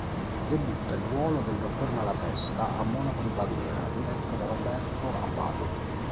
Debutta il ruolo del dottor Malatesta a Monaco di Baviera diretto da Roberto Abbado.